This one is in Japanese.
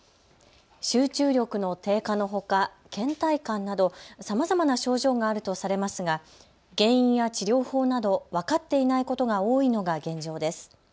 集中力の低下のほかけん怠感などさまざまな症状があるとされますが原因や治療法など分かっていないことが多いのが現状です。